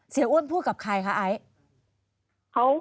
เสียอ้วนพูดกับใครคะไอ้